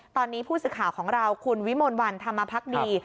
ตอนนี้ผู้สื่อข่าวของเราคุณวิมลวันธรรมพักดี